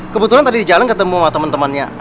kebetulan tadi di jalan ketemu sama temen temennya